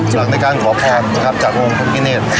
หลังในการขอพรจากองค์พระพิคเนต